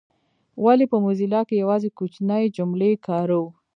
ولي په موزیلا کي یوازي کوچنۍ جملې کاروو؟